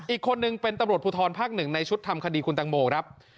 อีกคนนึงเป็นตำรวจภูทรภาคหนึ่งในชุดทำคดีคุณตังโมครับ